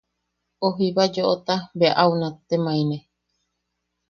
O jiba yoʼota bea au nattemaine.